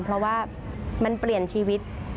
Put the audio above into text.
เพราะว่ามันเปลี่ยนชีวิต